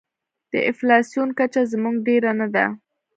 د انفلاسیون کچه زموږ ډېره نه ده.